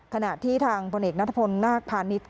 ขณะที่ทางพลเอกนัทพลนาคพาณิชย์